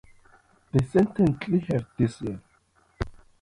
They certainly have this year.